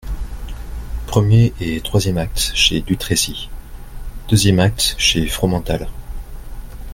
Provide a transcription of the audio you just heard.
Premier et troisième acte, chez Dutrécy ; deuxième acte, chez Fromental.